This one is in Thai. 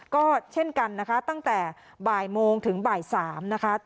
ก็เช่นกันนะคะตั้งแต่บ่ายโมงถึงบ่าย๓นะคะ